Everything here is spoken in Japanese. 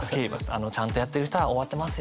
あのちゃんとやってる人は終わってますよね。